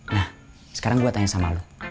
nah sekarang gue tanya sama lo